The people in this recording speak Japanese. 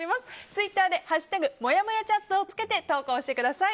ツイッターで「＃もやもやチャット」をつけて投稿してください。